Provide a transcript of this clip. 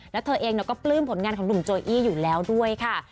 และเธอเองเราก็ปลื้มผลงานของดุมโจเอี่ยอยู่แล้วด้วยค่ะ